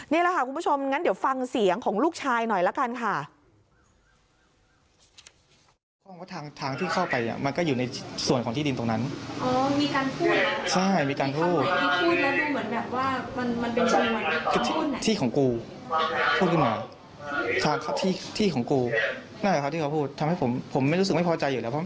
นี่แหละคุณผู้ชมเดี๋ยวฟังเสียงของลูกชายหน่อย